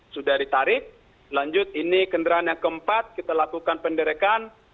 sudah ditarik lanjut ini kendaraan yang keempat kita lakukan penderekan